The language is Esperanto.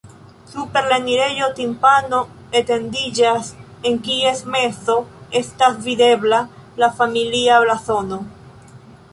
Super la enirejo timpano etendiĝas, en kies mezo estas videbla la familia blazono.